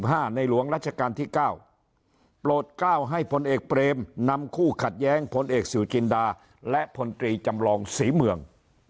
วันที่๒๕๓๕ในหลวงรัชกาลที่๙โปรด๙ให้พลเอกเบรมนำคู่ขัดแย้งพลเอกสุจินดาและพลตรีจำลองศรีเมือง